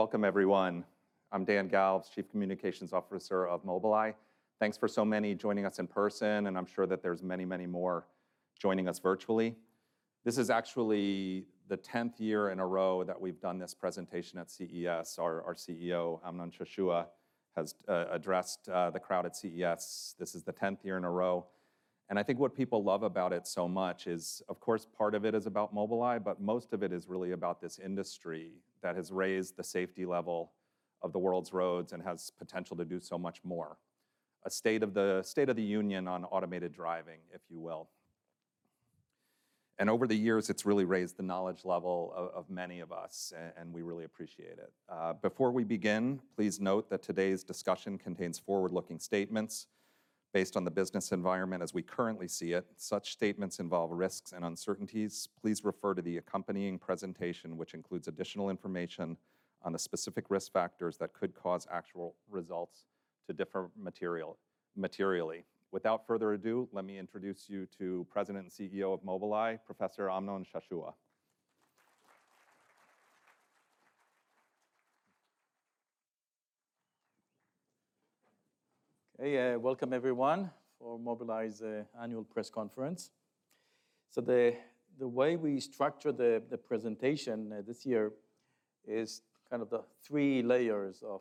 Welcome, everyone. I'm Dan Galves, Chief Communications Officer of Mobileye. Thanks for so many joining us in person, and I'm sure that there's many, many more joining us virtually. This is actually the tenth year in a row that we've done this presentation at CES. Our CEO, Amnon Shashua, has addressed the crowd at CES. This is the tenth year in a row, and I think what people love about it so much is, of course, part of it is about Mobileye, but most of it is really about this industry that has raised the safety level of the world's roads and has potential to do so much more. A state of the union on automated driving, if you will. Over the years, it's really raised the knowledge level of many of us, and we really appreciate it. Before we begin, please note that today's discussion contains forward-looking statements based on the business environment as we currently see it. Such statements involve risks and uncertainties. Please refer to the accompanying presentation, which includes additional information on the specific risk factors that could cause actual results to differ materially. Without further ado, let me introduce you to President and CEO of Mobileye, Professor Amnon Shashua. Hey, welcome everyone, for Mobileye's annual press conference. So the way we structured the presentation this year is kind of the three layers of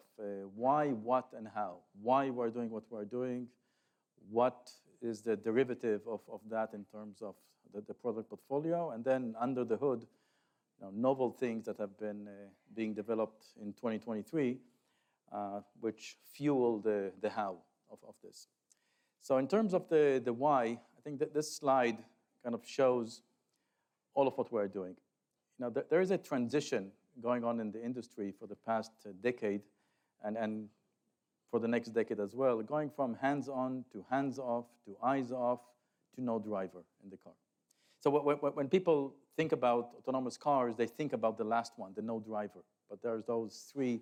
why, what, and how. Why we're doing what we're doing, what is the derivative of that in terms of the product portfolio, and then under the hood, you know, novel things that have been being developed in 2023, which fuel the how of this. So in terms of the why, I think this slide kind of shows all of what we're doing. You know, there is a transition going on in the industry for the past decade, and for the next decade as well, going from hands-on to hands-off to eyes-off to no driver in the car. So when people think about autonomous cars, they think about the last one, the no driver, but there's those three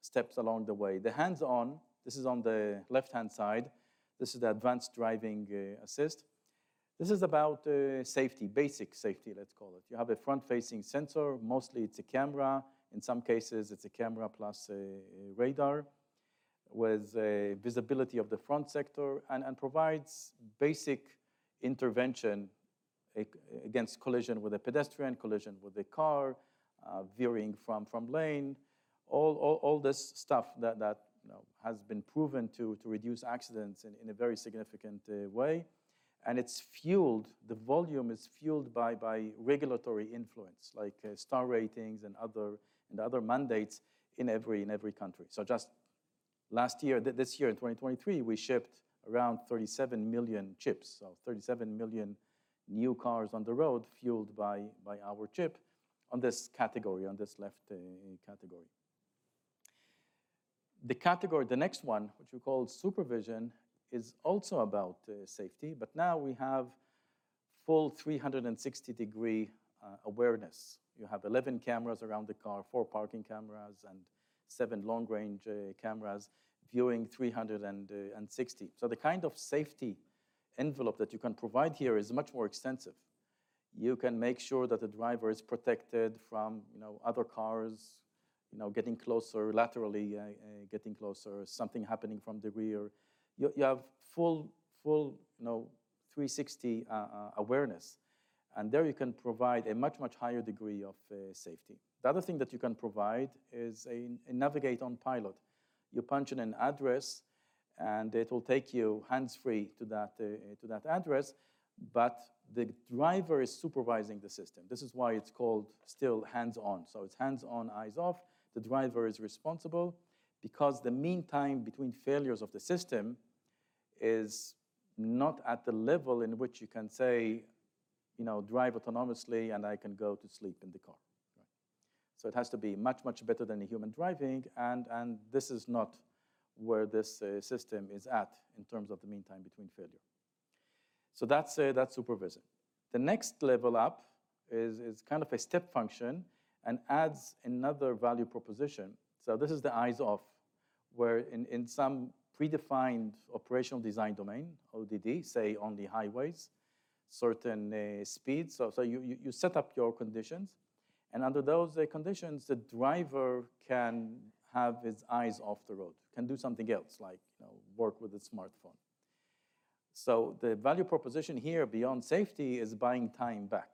steps along the way. The hands-on, this is on the left-hand side, this is the advanced driving assist. This is about safety, basic safety, let's call it. You have a front-facing sensor. Mostly it's a camera. In some cases, it's a camera plus a radar, with a visibility of the front sector and provides basic intervention against collision with a pedestrian, collision with a car, veering from lane. All this stuff that you know has been proven to reduce accidents in a very significant way. And it's fueled, the volume is fueled by regulatory influence, like star ratings and other mandates in every country. So just last year, this year in 2023, we shipped around 37 million chips. So 37 million new cars on the road fueled by, by our chip on this category, on this left, category. The category, the next one, which we call SuperVision, is also about, safety, but now we have full 360-degree, awareness. You have 11 cameras around the car, four parking cameras and seven long-range, cameras viewing 360. So the kind of safety envelope that you can provide here is much more extensive. You can make sure that the driver is protected from, you know, other cars, you know, getting closer laterally, getting closer, something happening from the rear. You have full, you know, 360 awareness, and there you can provide a much, much higher degree of safety. The other thing that you can provide is a Navigate on Pilot. You punch in an address, and it will take you hands-free to that address, but the driver is supervising the system. This is why it's called still hands-on. So it's hands-on, eyes-off. The driver is responsible because the mean time between failures of the system is not at the level in which you can say, you know, drive autonomously, and I can go to sleep in the car. So it has to be much, much better than a human driving, and this is not where this system is at in terms of the mean time between failure. So that's SuperVision. The next level up is kind of a step function and adds another value proposition. So this is the eyes-off, where in some predefined Operational Design Domain, ODD, say, on the highways, certain speeds. So you set up your conditions, and under those conditions, the driver can have his eyes off the road, can do something else, like, you know, work with a smartphone. So the value proposition here beyond safety is buying time back,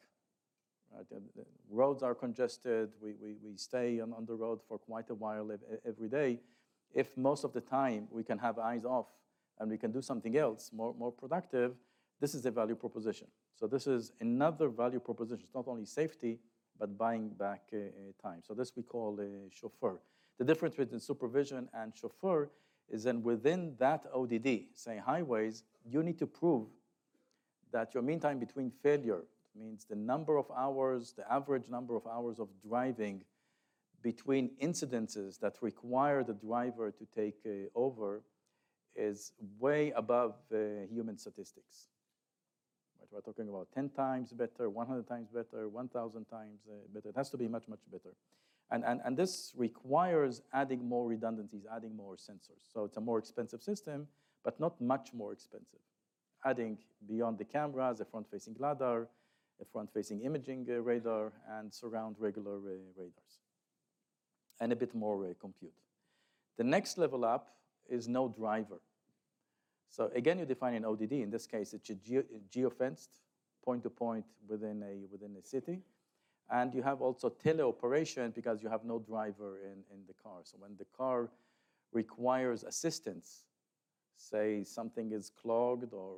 right? The roads are congested. We stay on the road for quite a while every day. If most of the time we can have eyes off and we can do something else more productive, this is a value proposition. So this is another value proposition. It's not only safety but buying back time. So this we call a Chauffeur. The difference between SuperVision and Chauffeur is that within that ODD, say highways, you need to prove that your mean time between failures, means the number of hours, the average number of hours of driving between incidences that require the driver to take over, is way above human statistics. We're talking about 10x better, 100x better, 1,000x better. It has to be much, much better. And this requires adding more redundancies, adding more sensors. So it's a more expensive system, but not much more expensive... adding beyond the cameras, a front-facing LiDAR, a front-facing imaging radar, and surround regular radars, and a bit more compute. The next level up is no driver. So again, you define an ODD. In this case, it's a geofenced point-to-point within a city, and you have also teleoperation because you have no driver in the car. So when the car requires assistance, say something is clogged or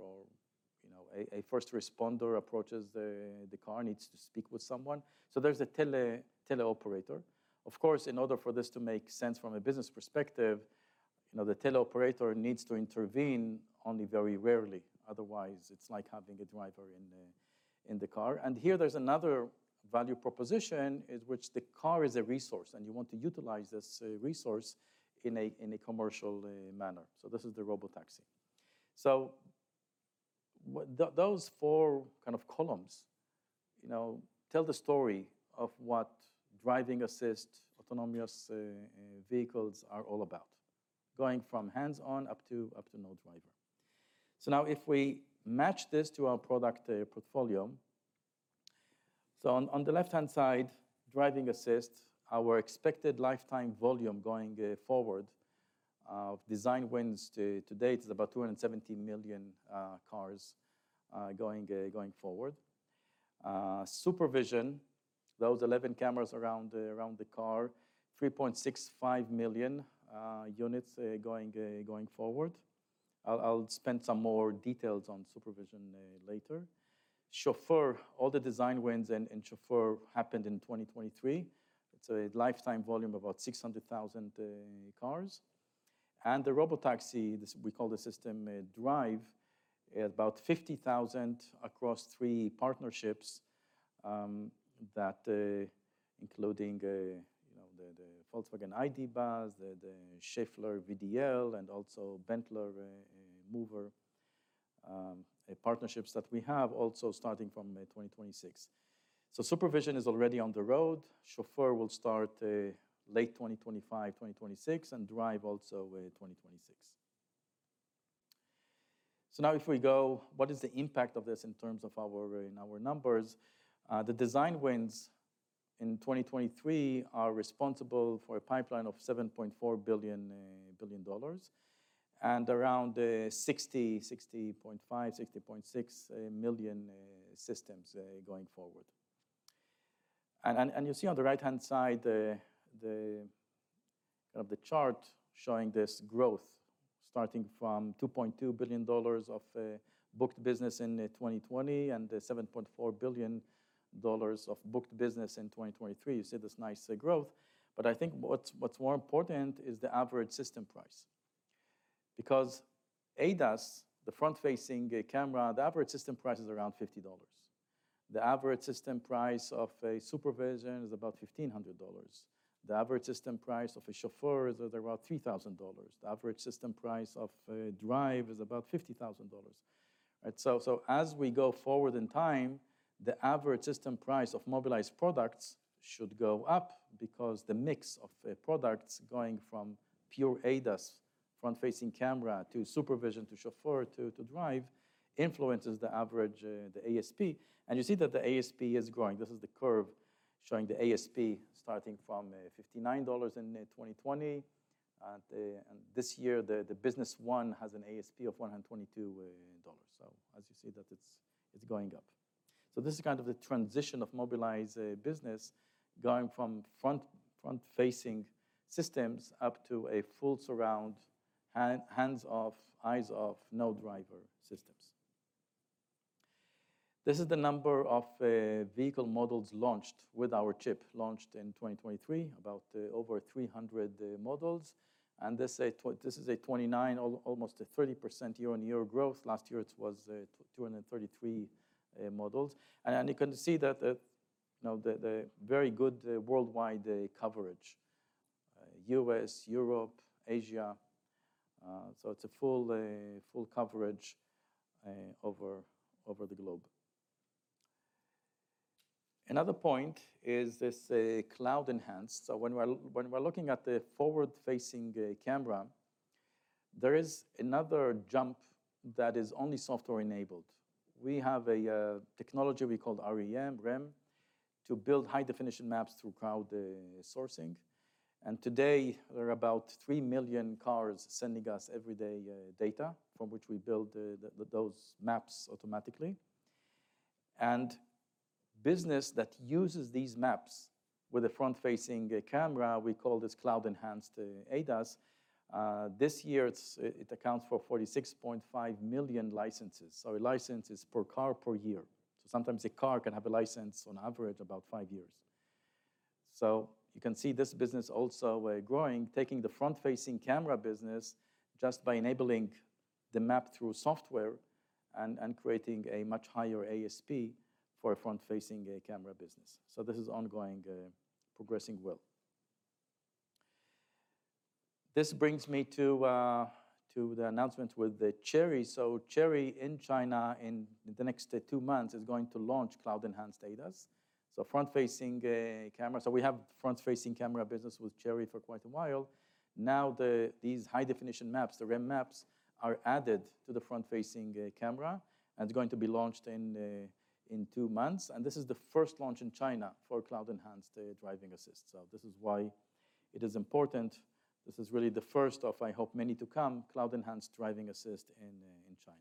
you know, a first responder approaches the car, needs to speak with someone, so there's a teleoperator. Of course, in order for this to make sense from a business perspective, you know, the teleoperator needs to intervene only very rarely. Otherwise, it's like having a driver in the car. And here there's another value proposition, in which the car is a resource, and you want to utilize this resource in a commercial manner. So this is the robotaxi. So those four kind of columns, you know, tell the story of what driving assist autonomous vehicles are all about. Going from hands-on up to, up to no driver. So now, if we match this to our product portfolio. So on the left-hand side, driving assist, our expected lifetime volume going forward of design wins to date is about 270 million cars going forward. SuperVision, those 11 cameras around the car, 3.65 million units going forward. I'll spend some more details on SuperVision later. Chauffeur, all the design wins in Chauffeur happened in 2023. It's a lifetime volume of about 600,000 cars. And the robotaxi, this we call the system Drive, is about 50,000 across three partnerships including you know the Volkswagen ID. Buzz, the Schaeffler VDL, and also Benteler Mover. Partnerships that we have also starting from 2026. So SuperVision is already on the road. Chauffeur will start late 2025/2026, and Drive also 2026. So now if we go, what is the impact of this in terms of our, in our numbers? The design wins in 2023 are responsible for a pipeline of $7.4 billion, and around 60.5 million-60.6 million systems going forward. You see on the right-hand side the kind of the chart showing this growth, starting from $2.2 billion of booked business in 2020, and the $7.4 billion of booked business in 2023. You see this nice growth. But I think what's more important is the average system price. Because ADAS, the front-facing camera, the average system price is around $50. The average system price of a SuperVision is about $1,500. The average system price of a Chauffeur is at about $3,000. The average system price of Drive is about $50,000, right? So as we go forward in time, the average system price of Mobileye products should go up because the mix of products going from pure ADAS front-facing camera, to SuperVision, to Chauffeur, to Drive, influences the average, the ASP. And you see that the ASP is growing. This is the curve showing the ASP starting from $59 in 2020, and this year, the business won has an ASP of $122. So as you see that it's, it's going up. So this is kind of the transition of Mobileye business, going from front, front-facing systems up to a full surround, hands-off, eyes-off, no driver systems. This is the number of vehicle models launched with our chip, launched in 2023, about over 300 models. And this is a 29%, almost a 30% year-on-year growth. Last year, it was 233 models. And you can see that the, you know, the very good worldwide coverage. U.S., Europe, Asia. So it's a full coverage over the globe. Another point is this cloud-enhanced. So when we're looking at the forward-facing camera, there is another jump that is only software-enabled. We have a technology we call REM, REM, to build high-definition maps through crowd sourcing. Today, there are about 3 million cars sending us every day data, from which we build those maps automatically. Business that uses these maps with a front-facing camera, we call this Cloud-Enhanced ADAS. This year, it accounts for 46.5 million licenses. So a license is per car, per year. So sometimes a car can have a license on average, about five years. So you can see this business also growing, taking the front-facing camera business just by enabling the map through software and creating a much higher ASP for a front-facing camera business. So this is ongoing, progressing well. This brings me to the announcements with the Chery. So Chery in China, in the next two months, is going to launch Cloud-Enhanced ADAS. So front-facing camera. So we have front-facing camera business with Chery for quite a while. Now, these high-definition maps, the REM maps, are added to the front-facing camera, and going to be launched in two months. And this is the first launch in China for cloud-enhanced driving assist. So this is why it is important. This is really the first of, I hope, many to come, cloud-enhanced driving assist in China.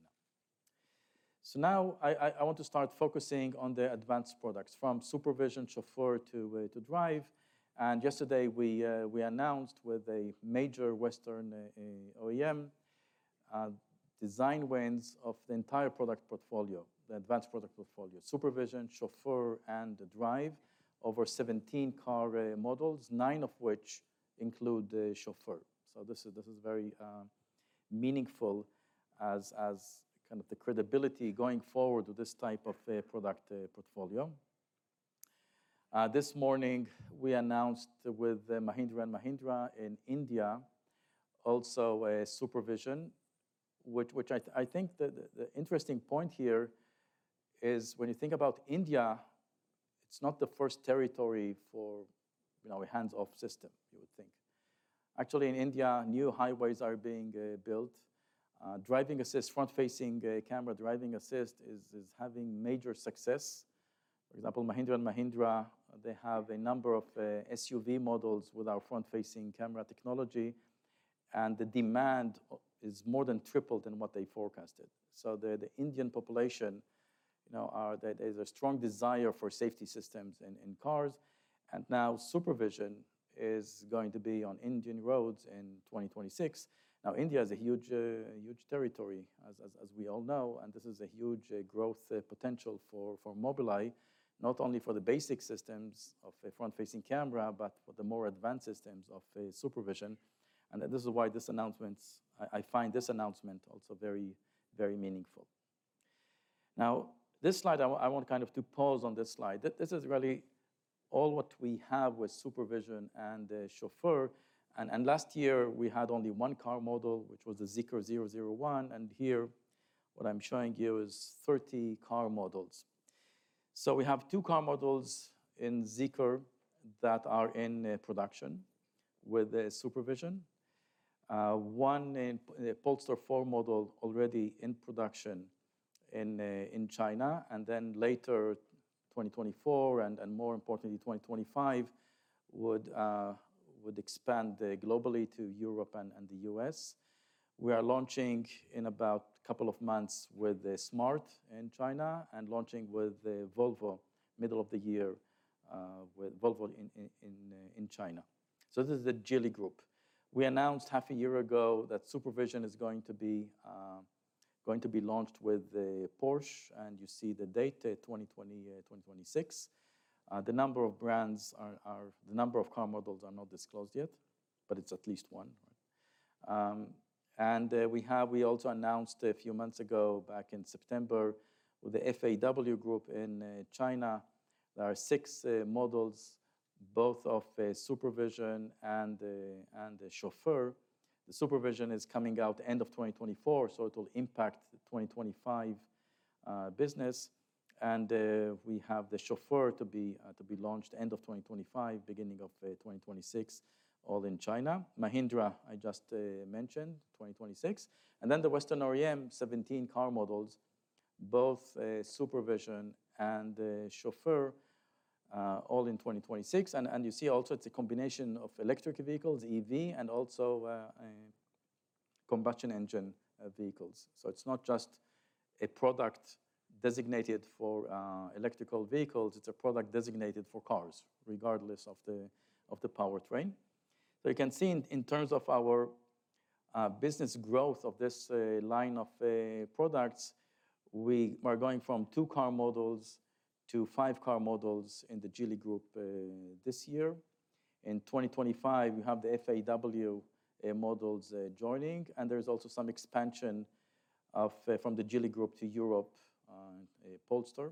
So now I want to start focusing on the advanced products, from SuperVision, Chauffeur, to Drive. Yesterday we announced with a major Western OEM design wins of the entire product portfolio, the advanced product portfolio, SuperVision, Chauffeur, and Drive, over 17 car models, nine of which include the Chauffeur. So this is very meaningful as kind of the credibility going forward with this type of a product portfolio. This morning, we announced with Mahindra and Mahindra in India, also, SuperVision, which I think the interesting point here is when you think about India, it's not the first territory for, you know, a hands-off system, you would think. Actually, in India, new highways are being built. Driving assist, front-facing camera driving assist is having major success. For example, Mahindra and Mahindra, they have a number of SUV models with our front-facing camera technology, and the demand is more than tripled than what they forecasted. So the Indian population, you know, there is a strong desire for safety systems in cars, and now SuperVision is going to be on Indian roads in 2026. Now, India is a huge territory, as we all know, and this is a huge growth potential for Mobileye, not only for the basic systems of a front-facing camera, but for the more advanced systems of SuperVision. And this is why this announcement, I find this announcement also very meaningful. Now, this slide, I want kind of to pause on this slide. This is really all what we have with SuperVision and Chauffeur. Last year, we had only one car model, which was the Zeekr 001, and here, what I'm showing you is 30 car models. So we have two car models in Zeekr that are in production with the SuperVision. One in Polestar 4 model already in production in China, and then later, 2024 and, and more importantly, 2025, would expand globally to Europe and the U.S.. We are launching in about couple of months with the Smart in China, and launching with the Volvo middle of the year with Volvo in China. So this is the Geely Group. We announced 0.5 year ago that SuperVision is going to be launched with Porsche, and you see the date, 2026. The number of car models are not disclosed yet, but it's at least one, right? And we have, we also announced a few months ago, back in September, the FAW Group in China. There are six models, both of SuperVision and the Chauffeur. The SuperVision is coming out end of 2024, so it'll impact the 2025 business. And we have the Chauffeur to be launched end of 2025, beginning of 2026, all in China. Mahindra, I just mentioned, 2026. And then the Western OEM, 17 car models, both SuperVision and Chauffeur, all in 2026. And you see also it's a combination of electric vehicles, EV, and also combustion engine vehicles. So it's not just a product designated for electric vehicles, it's a product designated for cars, regardless of the powertrain. So you can see in terms of our business growth of this line of products, we are going from two car models to five car models in the Geely Group this year. In 2025, we have the FAW models joining, and there's also some expansion from the Geely Group to Europe, Polestar.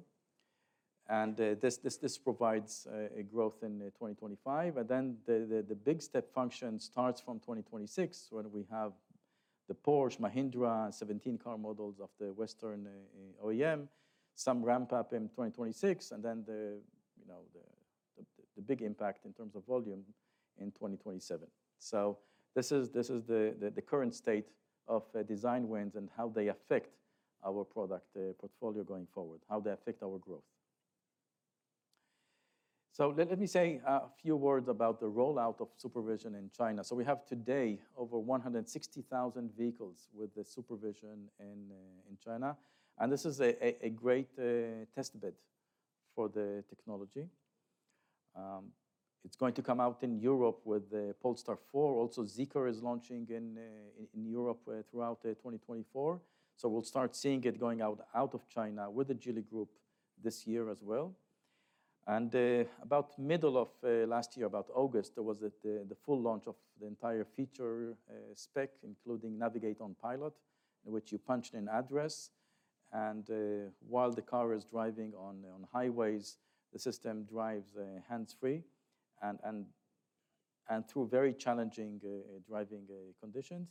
And this provides a growth in 2025, and then the big step function starts from 2026, when we have the Porsche, Mahindra, 17 car models of the Western OEM, some ramp up in 2026, and then, you know, the big impact in terms of volume in 2027. So this is the current state of design wins and how they affect our product portfolio going forward, how they affect our growth. So let me say a few words about the rollout of SuperVision in China. So we have today over 160,000 vehicles with the SuperVision in China, and this is a great test bed for the technology. It's going to come out in Europe with the Polestar 4. Also, Zeekr is launching in Europe throughout 2024. So we'll start seeing it going out of China with the Geely Group this year as well. About middle of last year, about August, there was the full launch of the entire feature spec, including Navigate on Pilot, in which you punch in an address... and while the car is driving on highways, the system drives hands-free and through very challenging driving conditions.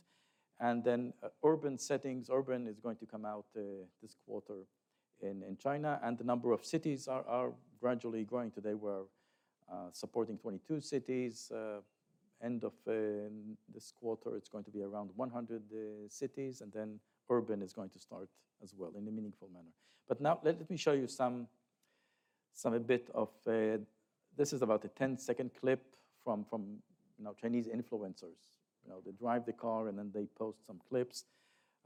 And then urban settings, urban is going to come out this quarter in China, and the number of cities are gradually growing. Today we're supporting 22 cities. End of this quarter, it's going to be around 100 cities, and then urban is going to start as well in a meaningful manner. But now, let me show you some a bit of... This is about a 10-second clip from, you know, Chinese influencers. You know, they drive the car and then they post some clips.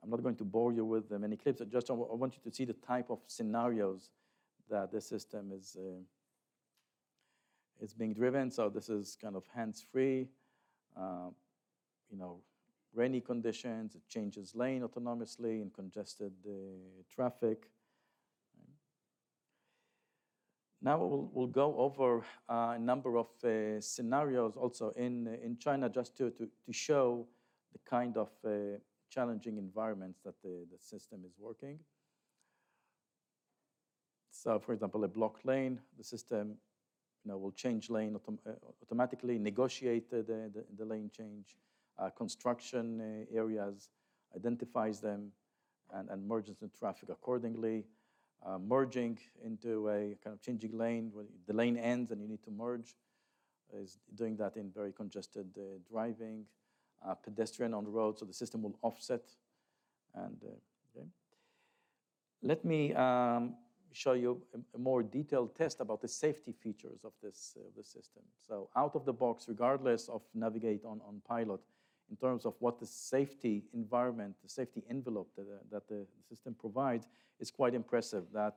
I'm not going to bore you with the many clips. I just want you to see the type of scenarios that the system is being driven. So this is kind of hands-free. You know, rainy conditions, it changes lane autonomously in congested traffic. Now, we'll go over a number of scenarios also in China, just to show the kind of challenging environments that the system is working. So for example, a blocked lane. The system, you know, will change lane automatically, negotiate the lane change. Construction areas, identifies them and merges the traffic accordingly. Merging into a kind of changing lane, when the lane ends and you need to merge, is doing that in very congested driving. A pedestrian on the road, so the system will offset and, yeah. Let me show you a more detailed test about the safety features of this system. So out of the box, regardless of Navigate on Pilot, in terms of what the safety environment, the safety envelope that the system provides, is quite impressive. That,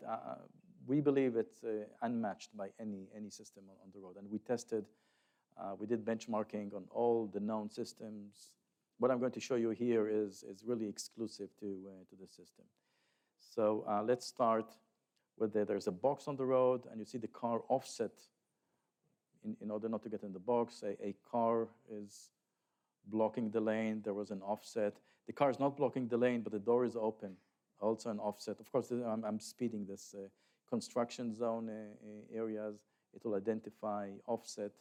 we believe it's unmatched by any system on the road. And we tested, we did benchmarking on all the known systems. What I'm going to show you here is really exclusive to the system. So, let's start with that there's a box on the road, and you see the car offset in order not to get in the box. A car is blocking the lane, there was an offset. The car is not blocking the lane, but the door is open, also an offset. Of course, I'm speeding this construction zone areas. It'll identify, offset,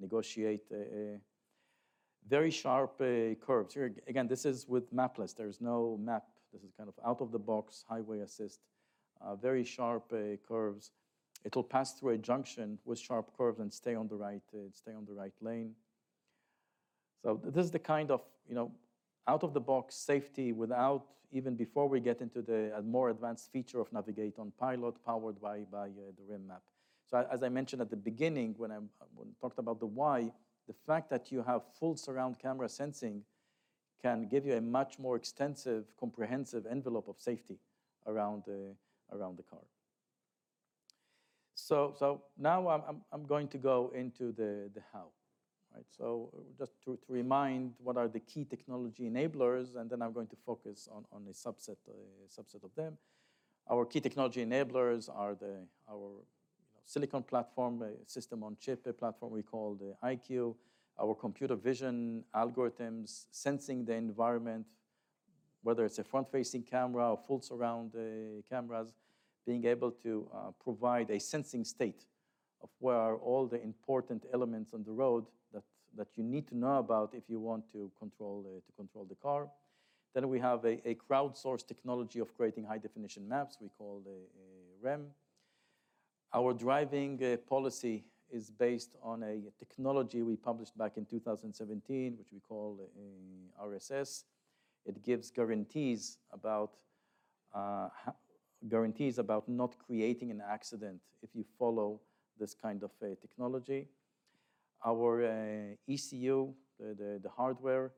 negotiate... Very sharp curves. Here, again, this is with mapless. There is no map. This is kind of out-of-the-box highway assist. Very sharp curves. It'll pass through a junction with sharp curves and stay on the right lane. So this is the kind of, you know, out-of-the-box safety without even before we get into the more advanced feature of Navigate on Pilot, powered by the REM map. So as I mentioned at the beginning when I talked about the why, the fact that you have full surround camera sensing can give you a much more extensive, comprehensive envelope of safety around the car. So now I'm going to go into the how, right? So just to remind what are the key technology enablers, and then I'm going to focus on a subset of them. Our key technology enablers are our silicon platform, a system-on-chip platform we call the EyeQ, our computer vision algorithms, sensing the environment, whether it's a front-facing camera or full surround cameras, being able to provide a sensing state of where are all the important elements on the road that you need to know about if you want to control the car. Then we have a crowdsourced technology of creating high-definition maps we call the REM. Our driving policy is based on a technology we published back in 2017, which we call RSS. It gives guarantees about guarantees about not creating an accident if you follow this kind of technology. Our ECU, the hardware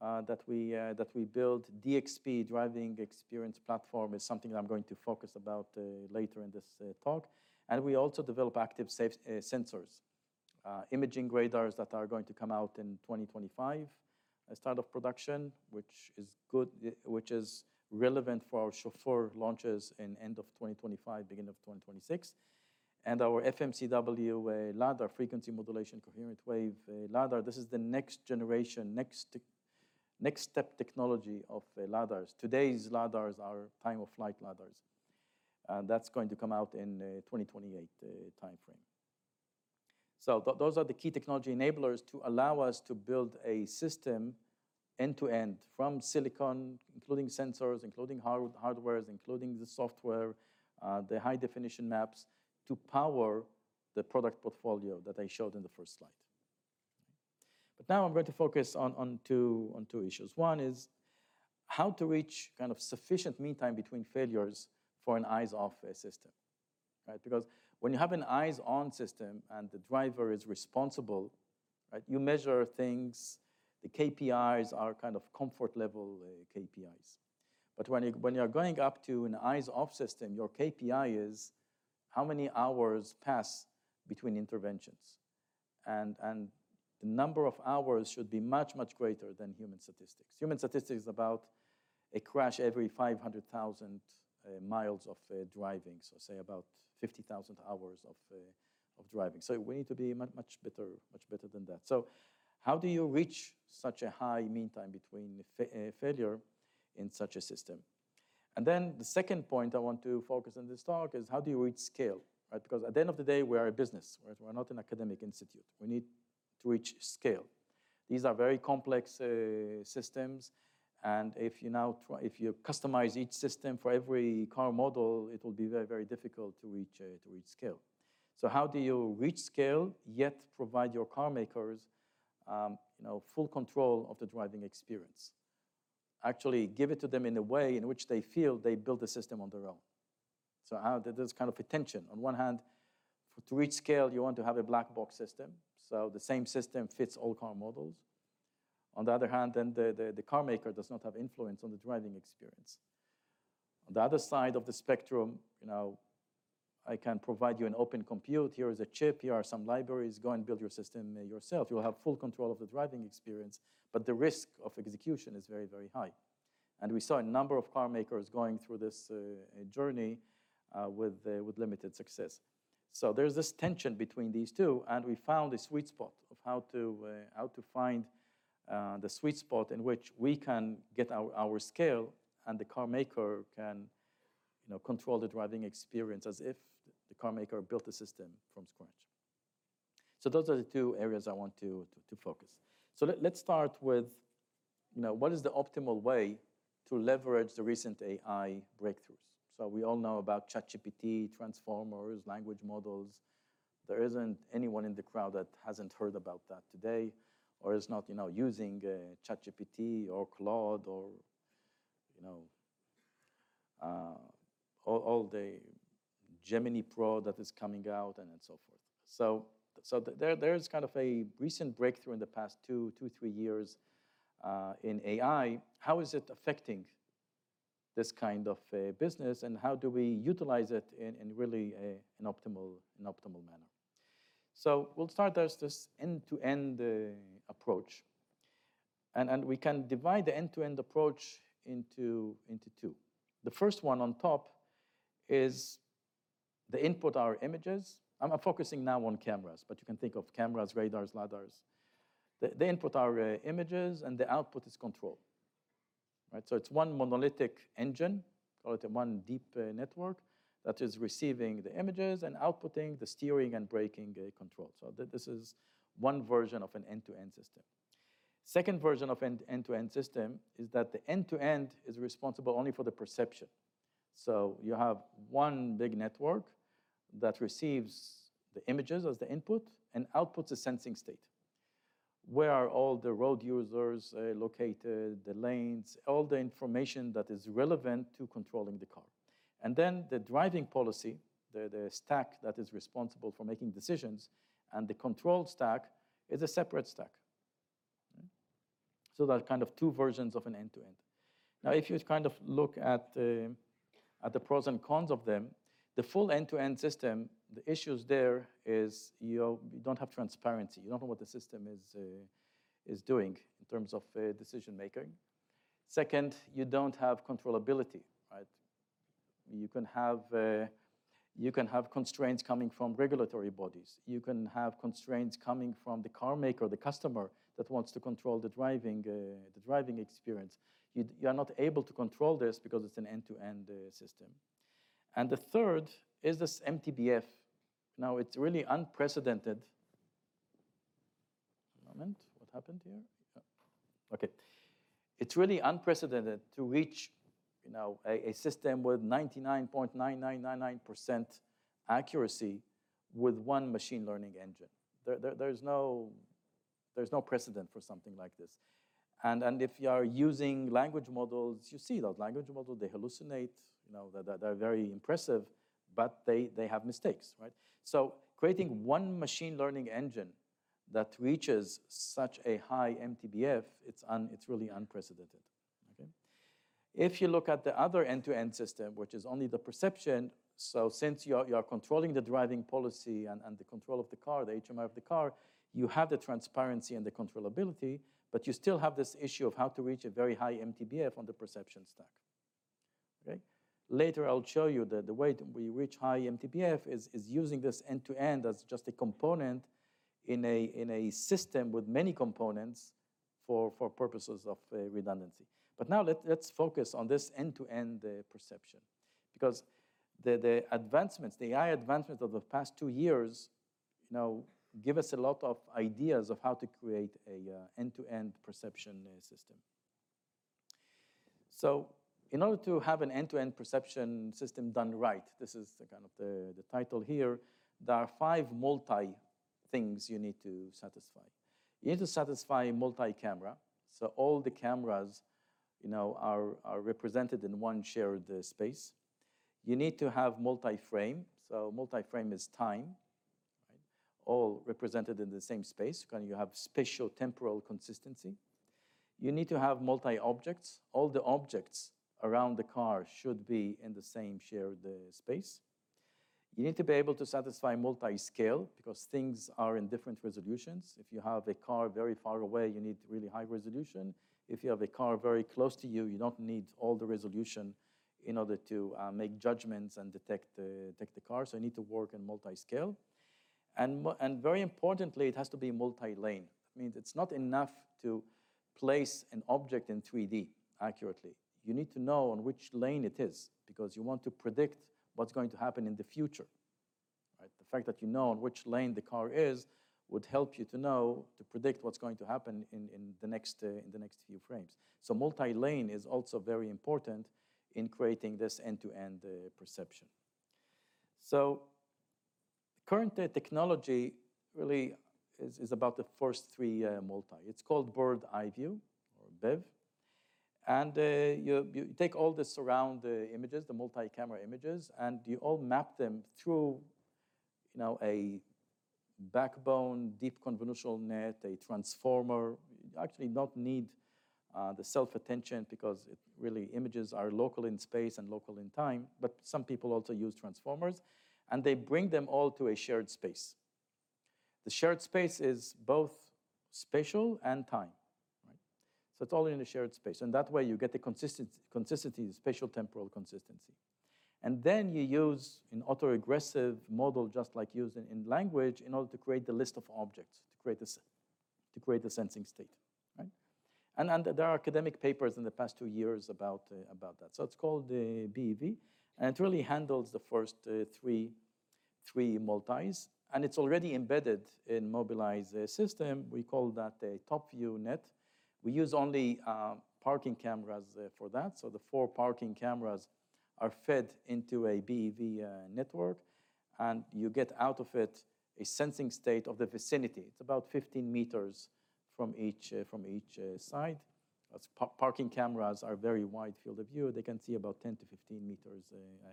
that we build, DXP, Driving Experience Platform, is something that I'm going to focus about later in this talk. And we also develop active safety sensors. Imaging radars that are going to come out in 2025, start of production, which is good, which is relevant for our Chauffeur launches in end of 2025, beginning of 2026. And our FMCW LiDAR, Frequency-Modulated Continuous wave LiDAR, this is the next generation, next step technology of LiDARs. Today's LiDARs are time-of-flight LiDARs, and that's going to come out in 2028 timeframe. So those are the key technology enablers to allow us to build a system end-to-end from silicon, including sensors, including hardware, including the software, the high-definition maps, to power the product portfolio that I showed in the first slide. But now I'm going to focus on two issues. One is how to reach kind of sufficient mean time between failures for an eyes-off system, right? Because when you have an eyes-on system and the driver is responsible, right, you measure things. The KPIs are kind of comfort level KPIs. But when you, when you're going up to an eyes-off system, your KPI is how many hours pass between interventions. And the number of hours should be much, much greater than human statistics. Human statistics is about a crash every 500,000 mi of driving, so say about 50,000 hours of driving. So we need to be much better, much better than that. So how do you reach such a high mean time between failures in such a system? And then the second point I want to focus on this talk is: how do you reach scale, right? Because at the end of the day, we are a business, right? We're not an academic institute. We need to reach scale. These are very complex systems, and if you now try if you customize each system for every car model, it will be very, very difficult to reach scale. So how do you reach scale, yet provide your car makers, you know, full control of the driving experience? Actually give it to them in a way in which they feel they built the system on their own. So how there's kind of a tension. On one hand, to reach scale, you want to have a black box system, so the same system fits all car models. On the other hand, then the car maker does not have influence on the driving experience. On the other side of the spectrum, you know, I can provide you an open compute. "Here is a chip, here are some libraries. Go and build your system yourself. You'll have full control of the driving experience," but the risk of execution is very, very high. And we saw a number of car makers going through this journey with limited success. So there's this tension between these two, and we found a sweet spot of how to find the sweet spot in which we can get our scale, and the car maker can, you know, control the driving experience as if the car maker built the system from scratch. So those are the two areas I want to focus. So let's start with, you know, what is the optimal way to leverage the recent AI breakthroughs? So we all know about ChatGPT, transformers, language models. There isn't anyone in the crowd that hasn't heard about that today, or is not, you know, using, ChatGPT or Claude or, you know, all, all the Gemini Pro that is coming out and then so forth. So, so there, there is kind of a recent breakthrough in the past two, two, three years, in AI. How is it affecting this kind of, business, and how do we utilize it in, in really, an optimal, an optimal manner? So we'll start as this end-to-end, approach, and, and we can divide the end-to-end approach into, into two. The first one on top is the input are images. I'm focusing now on cameras, but you can think of cameras, radars, LiDARs. The, the input are, images, and the output is control, right? So it's one monolithic engine, or the one deep, network, that is receiving the images and outputting the steering and braking, control. So this is one version of an end-to-end system. Second version of an end-to-end system is that the end-to-end is responsible only for the perception. So you have one big network that receives the images as the input and outputs a sensing state. Where are all the road users, located, the lanes, all the information that is relevant to controlling the car. And then the driving policy, the stack that is responsible for making decisions, and the control stack, is a separate stack. So there are kind of two versions of an end-to-end. Now, if you kind of look at the pros and cons of them, the full end-to-end system, the issues there is you don't have transparency. You don't know what the system is doing in terms of decision-making. Second, you don't have controllability, right? You can have constraints coming from regulatory bodies. You can have constraints coming from the car maker, the customer, that wants to control the driving experience. You are not able to control this because it's an end-to-end system. And the third is this MTBF. Now, it's really unprecedented. One moment. What happened here? Yep. Okay. It's really unprecedented to reach, you know, a system with 99.9999% accuracy with one machine learning engine. There, there's no precedent for something like this. And if you are using language models, you see those language models, they hallucinate. You know, they're very impressive, but they have mistakes, right? So creating one machine learning engine that reaches such a high MTBF, it's really unprecedented, okay? If you look at the other end-to-end system, which is only the perception, so since you are controlling the driving policy and the control of the car, the HMI of the car, you have the transparency and the controllability, but you still have this issue of how to reach a very high MTBF on the perception stack, right? Later, I'll show you the way we reach high MTBF is using this end-to-end as just a component in a system with many components for purposes of redundancy. But now, let's focus on this end-to-end perception, because the advancements, the AI advancements of the past two years, you know, give us a lot of ideas of how to create a end-to-end perception system. So in order to have an end-to-end perception system done right, this is kind of the title here, there are five multi things you need to satisfy. You need to satisfy multi-camera, so all the cameras, you know, are represented in one shared space. You need to have multi-frame. So multi-frame is time, right? All represented in the same space. Can you have spatial temporal consistency? You need to have multi-objects. All the objects around the car should be in the same shared space. You need to be able to satisfy multi-scale, because things are in different resolutions. If you have a car very far away, you need really high resolution. If you have a car very close to you, you don't need all the resolution in order to make judgments and detect the, detect the car. So you need to work in multi-scale. And very importantly, it has to be multi-lane. That means it's not enough to place an object in 3D accurately. You need to know on which lane it is, because you want to predict what's going to happen in the future, right? The fact that you know on which lane the car is would help you to know to predict what's going to happen in the next, in the next few frames. So multi-lane is also very important in creating this end-to-end perception. So current technology really is about the first three multi. It's called Bird's Eye View or BEV. And you take all the surround images, the multi-camera images, and you all map them through, you know, a backbone, deep convolutional net, a transformer. You actually not need the self-attention because the images are local in space and local in time, but some people also use transformers, and they bring them all to a shared space. The shared space is both spatial and time, right? So it's all in a shared space, and that way you get the consistency, the spatial temporal consistency. And then you use an autoregressive model, just like used in language, in order to create the list of objects, to create the sensing state, right? And there are academic papers in the past two years about that. So it's called the BEV, and it really handles the first three multis, and it's already embedded in Mobileye's system. We call that a top view net. We use only parking cameras for that. So the four parking cameras are fed into a BEV network, and you get out of it a sensing state of the vicinity. It's about 15 meters from each side. As parking cameras are very wide field of view, they can see about 10 meters-15 meters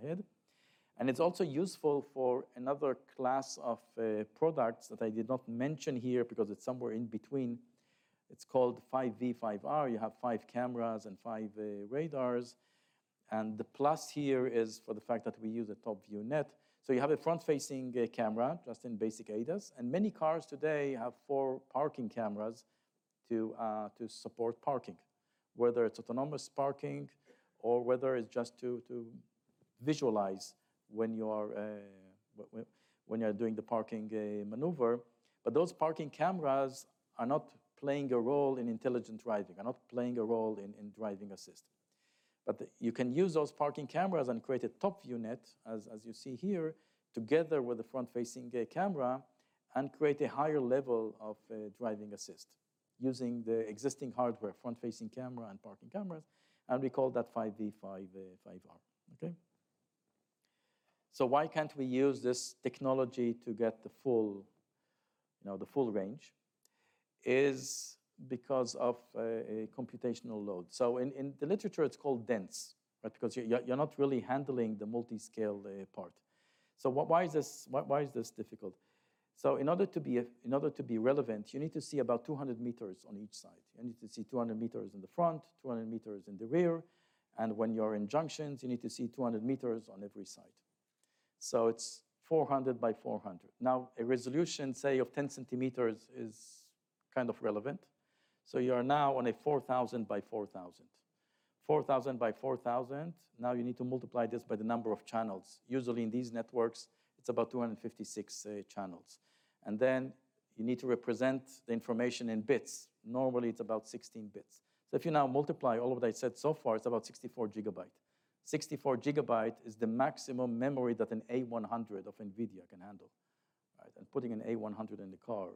ahead. And it's also useful for another class of products that I did not mention here because it's somewhere in between. It's called 5V, 5R. You have five cameras and five radars, and the plus here is for the fact that we use a top view net. So you have a front-facing camera, just in basic ADAS, and many cars today have four parking cameras to support parking. Whether it's autonomous parking or whether it's just to visualize when you are doing the parking maneuver. But those parking cameras are not playing a role in intelligent driving, are not playing a role in driving assist. But you can use those parking cameras and create a top view net, as you see here, together with a front-facing camera, and create a higher level of driving assist using the existing hardware, front-facing camera and parking cameras, and we call that 5V, 5R. Okay? So why can't we use this technology to get the full, you know, the full range? Is because of a computational load. So in the literature, it's called dense, right? Because you're not really handling the multi-scale part. So why is this difficult? So in order to be relevant, you need to see about 200 meters on each side. You need to see 200 meters in the front, 200 meters in the rear, and when you're in junctions, you need to see 200 meters on every side. So it's 400 by 400. Now, a resolution, say, of 10 centimeters is kind of relevant. So you are now on a 4,000 by 4,000. 4,000 by 4,000, now you need to multiply this by the number of channels. Usually, in these networks, it's about 256 channels. And then you need to represent the information in bits. Normally, it's about 16 bits. So if you now multiply all of what I said so far, it's about 64 GB. 64 GB is the maximum memory that an A100 of NVIDIA can handle, right? And putting an A100 in the car,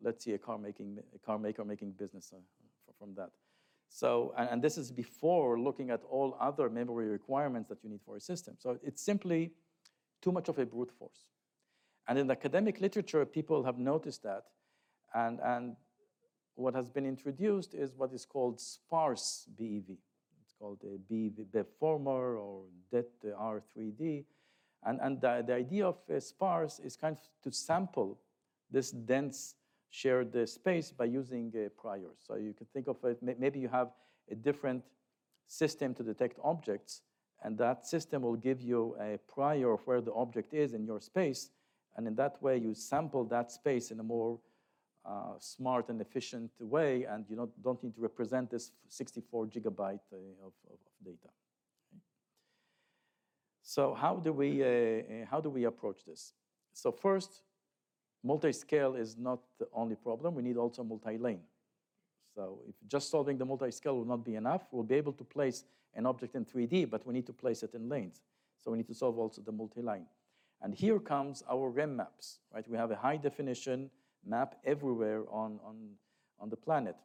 you know, let's see a car maker making business from that. So... And this is before looking at all other memory requirements that you need for a system. So it's simply too much of a brute force. And in the academic literature, people have noticed that, and what has been introduced is what is called sparse BEV. It's called a BEVFormer or DETR3D, and the idea of a sparse is kind of to sample this dense shared space by using a prior. So you could think of it, maybe you have a different system to detect objects, and that system will give you a prior of where the object is in your space, and in that way, you sample that space in a more smart and efficient way, and you don't need to represent this 64 GB of data. Okay? So how do we approach this? So first, multi-scale is not the only problem. We need also multi-lane. So if just solving the multi-scale will not be enough, we'll be able to place an object in 3D, but we need to place it in lanes. So we need to solve also the multi-lane. And here comes our REM maps, right? We have a high-definition map everywhere on the planet.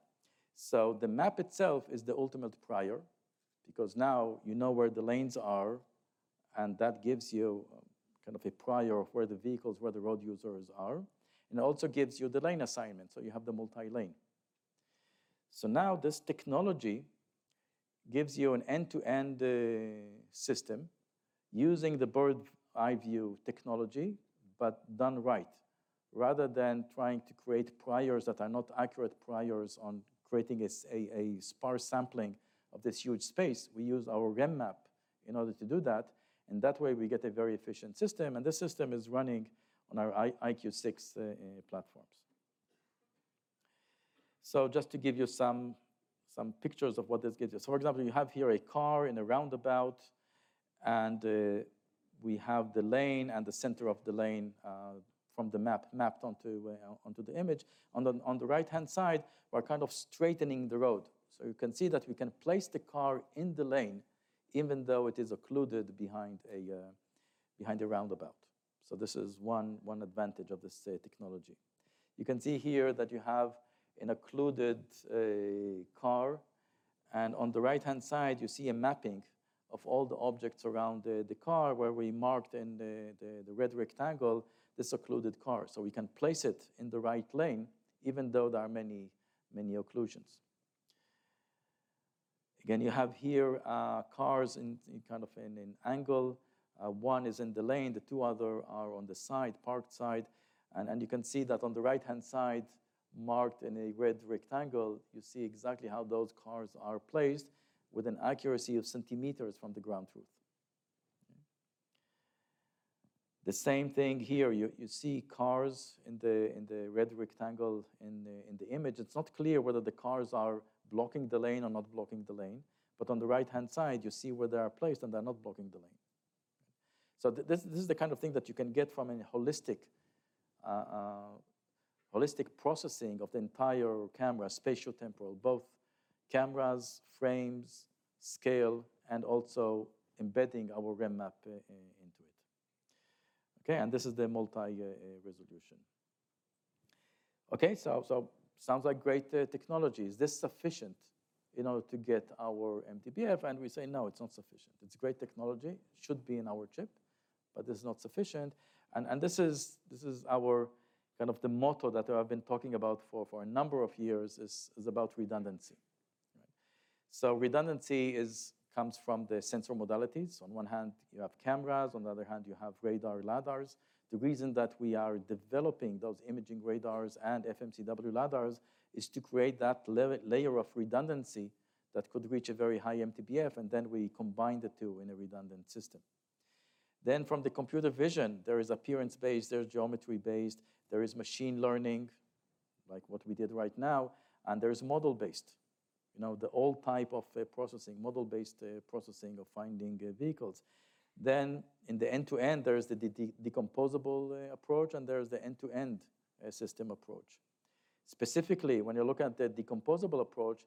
So the map itself is the ultimate prior, because now you know where the lanes are, and that gives you kind of a prior of where the vehicles, where the road users are, and it also gives you the lane assignment, so you have the multi-lane. So now this technology gives you an end-to-end system using the bird's-eye-view technology, but done right. Rather than trying to create priors that are not accurate priors on creating a sparse sampling of this huge space, we use our REM map in order to do that, and that way, we get a very efficient system, and this system is running on our EyeQ6 platforms. So just to give you some pictures of what this gives you. So for example, you have here a car in a roundabout, and we have the lane and the center of the lane from the map mapped onto the image. On the right-hand side, we're kind of straightening the road. So you can see that we can place the car in the lane, even though it is occluded behind a roundabout. So this is one advantage of this technology. You can see here that you have an occluded car, and on the right-hand side, you see a mapping of all the objects around the car, where we marked in the red rectangle this occluded car. So we can place it in the right lane, even though there are many, many occlusions. Again, you have here cars in kind of an angle. One is in the lane, the two other are on the side, parked side. And you can see that on the right-hand side, marked in a red rectangle, you see exactly how those cars are placed with an accuracy of centimeters from the ground truth. The same thing here, you see cars in the red rectangle in the image. It's not clear whether the cars are blocking the lane or not blocking the lane. But on the right-hand side, you see where they are placed, and they're not blocking the lane. So this is the kind of thing that you can get from a holistic, holistic processing of the entire camera, spatial-temporal, both cameras, frames, scale, and also embedding our map into it. Okay, and this is the multi resolution. Okay, so sounds like great technology. Is this sufficient in order to get our MTBF? And we say, "No, it's not sufficient." It's great technology, should be in our chip, but it's not sufficient. And this is our kind of the motto that I've been talking about for a number of years is about redundancy, right? So redundancy comes from the sensor modalities. On one hand, you have cameras, on the other hand, you have radar, LiDARs. The reason that we are developing those imaging radars and FMCW LiDARs is to create that layer of redundancy that could reach a very high MTBF, and then we combine the two in a redundant system. Then from the computer vision, there is appearance-based, there's geometry-based, there is machine learning, like what we did right now, and there is model-based. You know, the old type of processing, model-based processing of finding vehicles. Then in the end-to-end, there is the decomposable approach, and there is the end-to-end system approach. Specifically, when you look at the decomposable approach,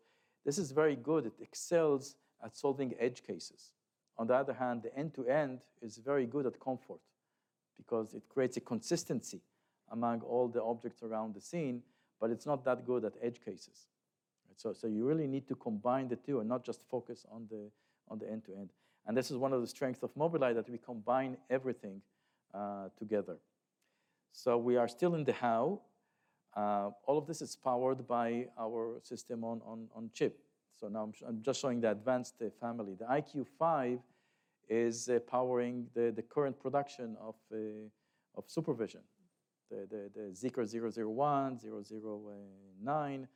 this is very good. It excels at solving edge cases. On the other hand, the end-to-end is very good at comfort because it creates a consistency among all the objects around the scene, but it's not that good at edge cases. Right, so you really need to combine the two and not just focus on the end-to-end. And this is one of the strengths of Mobileye, that we combine everything together. So we are still in the how. All of this is powered by our system on chip. So now I'm just showing the advanced family. The EyeQ5 is powering the current production of SuperVision. The Zeekr 001, 009,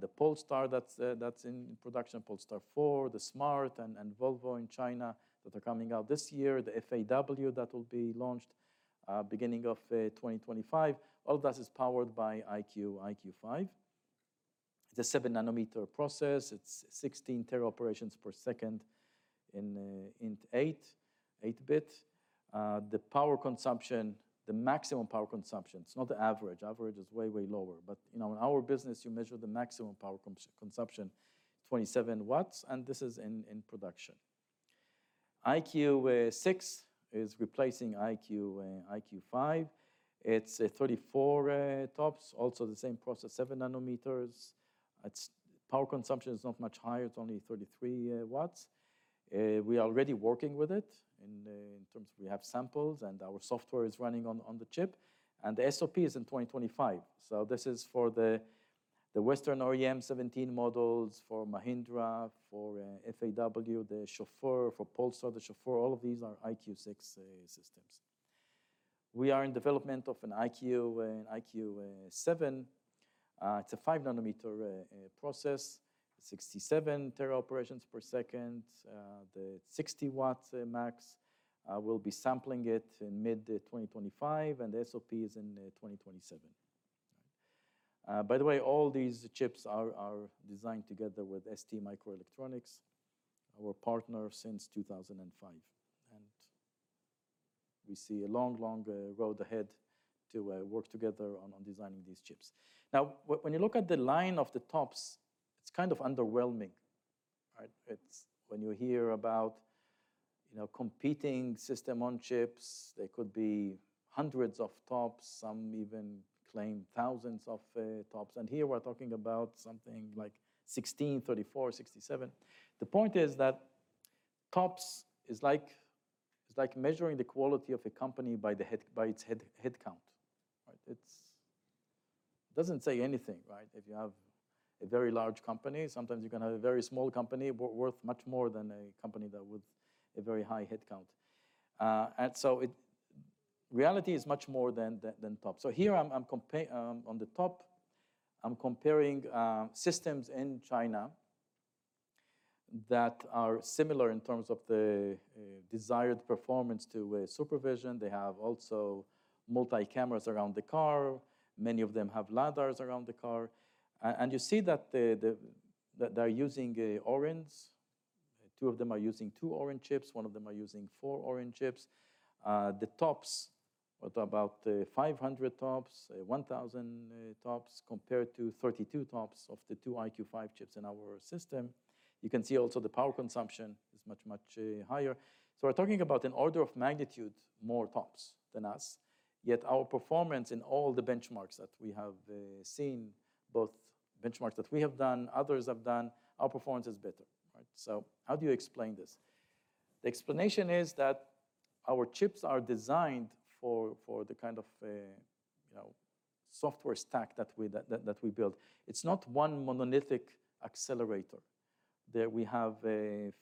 the Polestar that's in production, Polestar 4, the Smart and Volvo in China that are coming out this year, the FAW that will be launched beginning of 2025. All this is powered by EyeQ, EyeQ5. It's a 7-nanometer process. It's 16 tera operations per second in int8, 8-bit. The power consumption, the maximum power consumption, it's not the average. Average is way, way lower. But, you know, in our business, you measure the maximum power consumption, 27 watts, and this is in production. EyeQ6 is replacing EyeQ, EyeQ5. It's a 34 TOPS. Also the same process, 7 nanometers. Its power consumption is not much higher, it's only 33 watts. We are already working with it in terms of we have samples, and our software is running on the chip. The SOP is in 2025. So this is for the Western OEM 17 models, for Mahindra, for FAW, the Chauffeur, for Polestar, the Chauffeur. All of these are EyeQ6 systems. We are in development of an EyeQ7. It's a 5-nanometer process, 67 tera operations per second, the 60 watts max. We'll be sampling it in mid-2025, and the SOP is in 2027. By the way, all these chips are designed together with STMicroelectronics, our partner since 2005. And we see a long, long, road ahead to, work together on designing these chips. Now, when you look at the line of the TOPS, it's kind of underwhelming. All right? It's... When you hear about, you know, competing system on chips, there could be hundreds of TOPS. Some even claim thousands of TOPS, and here we're talking about something like 16, 34, 67. The point is that TOPS is like, it's like measuring the quality of a company by its headcount. Right? It doesn't say anything, right? If you have a very large company, sometimes you can have a very small company worth much more than a company that with a very high headcount. And so reality is much more than TOPS. So here I'm comparing on the top systems in China that are similar in terms of the desired performance to SuperVision. They have also multi-cameras around the car. Many of them have LiDARs around the car. And you see that they're using Orins. Two of them are using two Orin chips. One of them are using four Orin chips. The TOPS are about 500 TOPS, 1,000 TOPS, compared to 32 TOPS of the two EyeQ5 chips in our system. You can see also the power consumption is much, much higher. So we're talking about an order of magnitude more TOPS than us, yet our performance in all the benchmarks that we have seen, both benchmarks that we have done, others have done, our performance is better, right? So how do you explain this? The explanation is that our chips are designed for, for the kind of, you know, software stack that we, that, that, that we build. It's not one monolithic accelerator. There we have,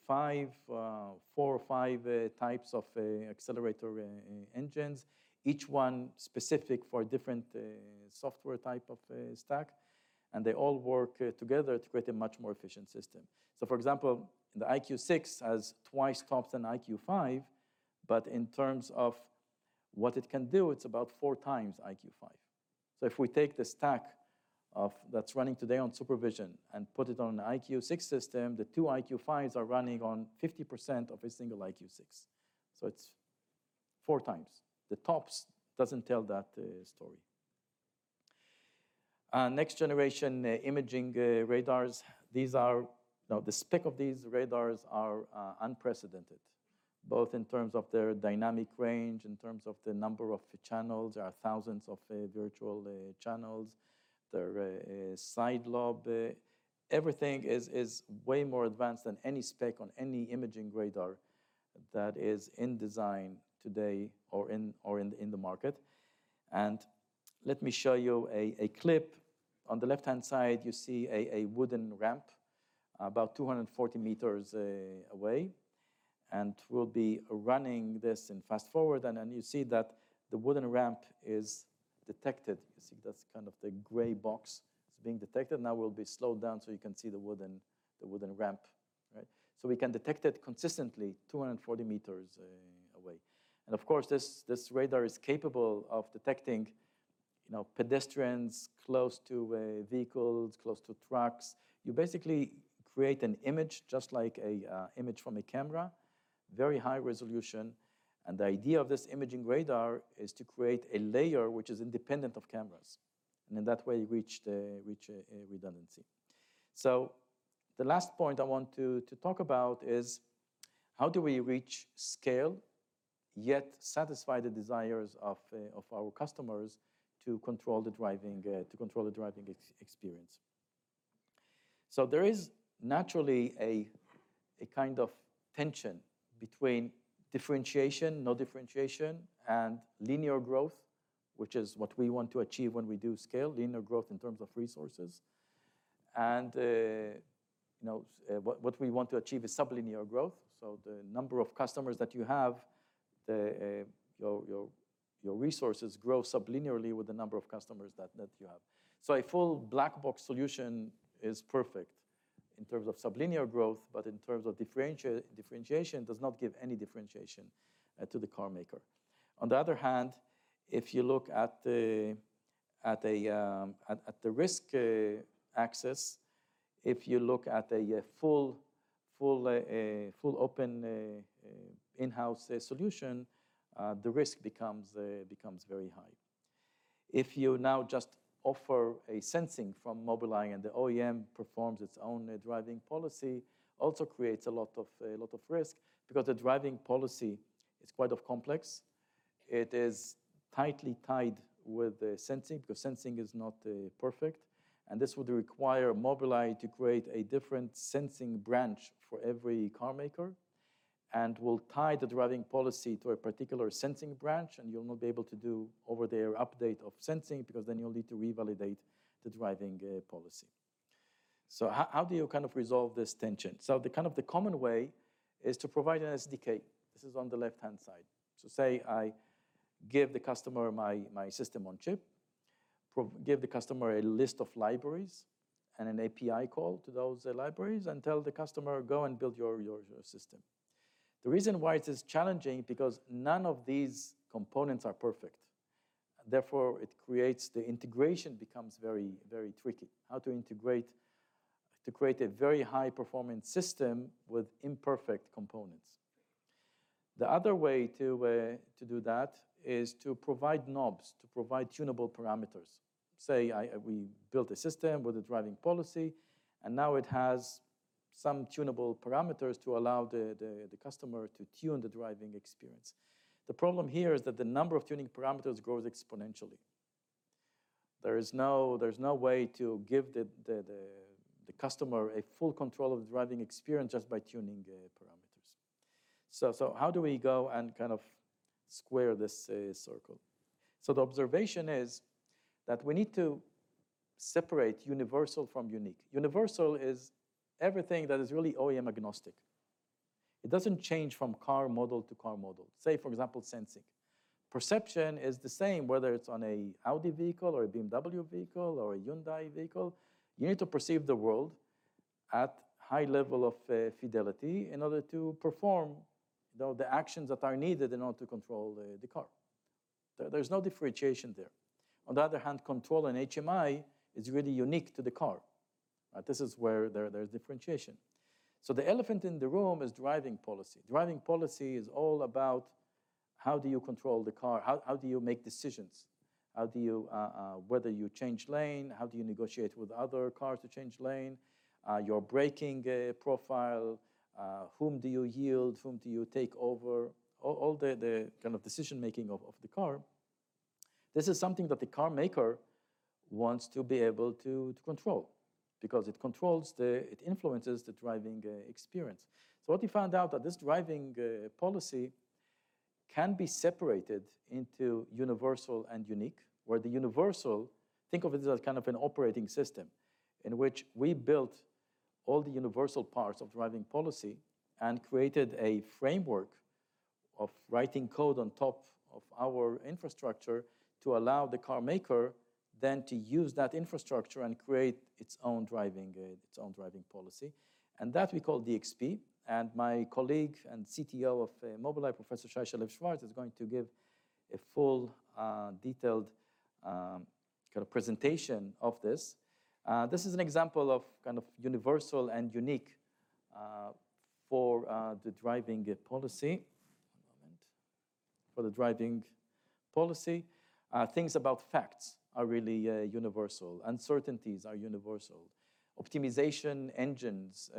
five, four or five, types of, accelerator, engines, each one specific for different, software type of, stack, and they all work, together to create a much more efficient system. So for example, the EyeQ6 has twice TOPS than EyeQ5, but in terms of what it can do, it's about 4x EyeQ5. So if we take the stack of... that's running today on SuperVision and put it on an EyeQ6 system, the two EyeQ5s are running on 50% of a single EyeQ6. So it's 4x. The TOPS doesn't tell that, story. Next generation, imaging, radars. These are, you know, the spec of these radars are unprecedented, both in terms of their dynamic range, in terms of the number of channels. There are thousands of virtual channels. Their side lobe everything is way more advanced than any spec on any imaging radar that is in design today or in the market. And let me show you a clip. On the left-hand side, you see a wooden ramp about 240 meters away, and we'll be running this in fast-forward, and then you see that the wooden ramp is detected. You see that's kind of the gray box. It's being detected. Now we'll be slowed down so you can see the wooden ramp, right? So we can detect it consistently 240 meters away. Of course, this radar is capable of detecting, you know, pedestrians close to vehicles, close to trucks. You basically create an image just like an image from a camera, very high resolution, and the idea of this imaging radar is to create a layer which is independent of cameras, and in that way, you reach a redundancy. So the last point I want to talk about is, how do we reach scale, yet satisfy the desires of our customers to control the driving experience? So there is naturally a kind of tension between differentiation, no differentiation, and linear growth, which is what we want to achieve when we do scale, linear growth in terms of resources. You know, what we want to achieve is sublinear growth. So the number of customers that you have, your resources grow sublinearly with the number of customers that you have. So a full black box solution is perfect in terms of sublinear growth, but in terms of differentiation, does not give any differentiation to the car maker. On the other hand, if you look at the risk axis, if you look at a full open in-house solution, the risk becomes very high. If you now just offer a sensing from Mobileye and the OEM performs its own driving policy, also creates a lot of risk because the driving policy is quite complex. It is tightly tied with the sensing, because sensing is not perfect, and this would require Mobileye to create a different sensing branch for every car maker and will tie the driving policy to a particular sensing branch, and you'll not be able to do over-the-air update of sensing, because then you'll need to revalidate the driving policy. So how, how do you kind of resolve this tension? So the kind of the common way is to provide an SDK. This is on the left-hand side. So say I give the customer my system on chip, give the customer a list of libraries and an API call to those libraries, and tell the customer, "Go and build your system." The reason why it is challenging, because none of these components are perfect. Therefore, it creates... the integration becomes very, very tricky. How to integrate, to create a very high-performance system with imperfect components. The other way to do that is to provide knobs, to provide tunable parameters. Say we built a system with a driving policy, and now it has some tunable parameters to allow the customer to tune the driving experience. The problem here is that the number of tuning parameters grows exponentially. There's no way to give the customer a full control of the driving experience just by tuning parameters. So how do we go and kind of square this circle? So the observation is that we need to separate universal from unique. Universal is everything that is really OEM-agnostic.... It doesn't change from car model to car model. Say, for example, sensing. Perception is the same, whether it's on a Audi vehicle or a BMW vehicle or a Hyundai vehicle. You need to perceive the world at high level of fidelity in order to perform the actions that are needed in order to control the car. There's no differentiation there. On the other hand, control and HMI is really unique to the car. This is where there's differentiation. So the elephant in the room is driving policy. Driving policy is all about how do you control the car? How do you make decisions? How do you whether you change lane, how do you negotiate with other cars to change lane? Your braking profile, whom do you yield? Whom do you take over? All the kind of decision-making of the car. This is something that the car maker wants to be able to control. Because it controls the it influences the driving experience. So what we found out that this driving policy can be separated into universal and unique. Where the universal, think of it as kind of an operating system, in which we built all the universal parts of driving policy and created a framework of writing code on top of our infrastructure to allow the car maker then to use that infrastructure and create its own driving its own driving policy. And that we call DXP, and my colleague and CTO of Mobileye, Professor Shai Shalev-Shwartz, is going to give a full detailed kind of presentation of this. This is an example of kind of universal and unique for the driving policy. One moment. For the driving policy. Things about facts are really universal. Uncertainties are universal. Optimization engines,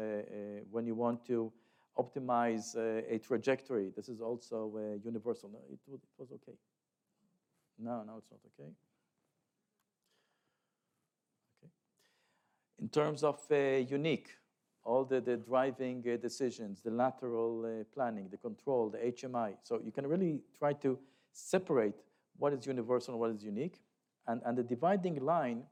when you want to optimize a trajectory, this is also universal. No, it was, it was okay. No, now it's not okay. Okay. In terms of unique, all the driving decisions, the lateral planning, the control, the HMI. So you can really try to separate what is universal and what is unique. And the dividing line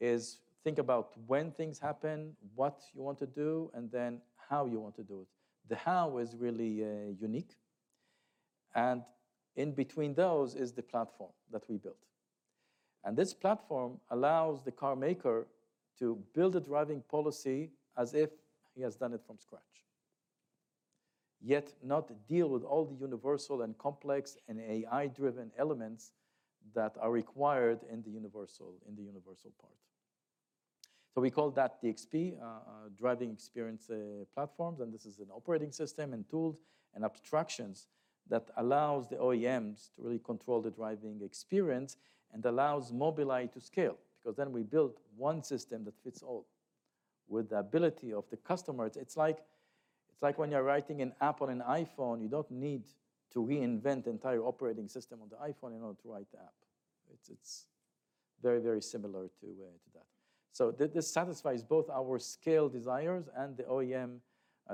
is, think about when things happen, what you want to do, and then how you want to do it. The how is really unique, and in between those is the platform that we built. This platform allows the car maker to build a driving policy as if he has done it from scratch, yet not deal with all the universal and complex and AI-driven elements that are required in the universal, in the universal part. We call that DXP, Driving Experience Platform, and this is an operating system and tools and abstractions that allows the OEMs to really control the driving experience and allows Mobileye to scale, because then we build one system that fits all. With the ability of the customer, it's like, it's like when you're writing an app on an iPhone, you don't need to reinvent the entire operating system on the iPhone in order to write the app. It's, it's very, very similar to that. So this satisfies both our scale desires and the OEM